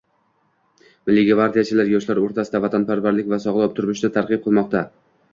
Milliy gvardiyachilar yoshlar o‘rtasida vatanparvarlik va sog‘lom turmushni targ‘ib qilmoqda